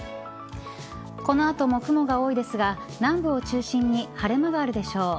この後も雲が多いですが南部中心に晴れ間があるでしょう。